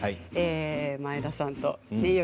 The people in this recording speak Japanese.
前田さんと。